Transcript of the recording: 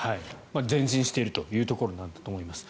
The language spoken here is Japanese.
前進しているというところなんだと思います。